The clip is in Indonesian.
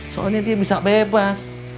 soalnya dia bisa bebas